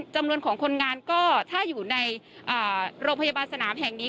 จำนวนของคนงานก็ถ้าอยู่ในโรงพยาบาลสนามแห่งนี้